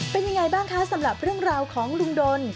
เป็นยังไงบ้างคะสำหรับเรื่องราวของลุงดน